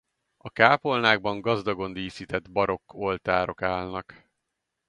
A kápolnákban gazdagon díszített barokk oltárok állnak.